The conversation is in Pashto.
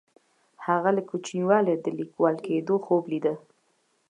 هغه له کوچنیوالي د لیکوال کیدو خوب لیده.